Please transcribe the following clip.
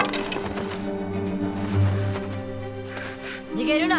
逃げるな！